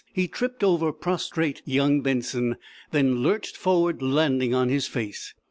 He tripped over prostrate young Benson, then lurched forward landing on his face.